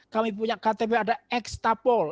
kami punya ktp ada x tapol